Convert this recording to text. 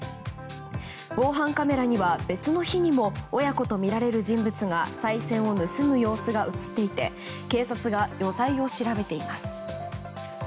防犯カメラには別の日にも親子とみられる人物がさい銭を盗む様子が映っていて警察が余罪を調べています。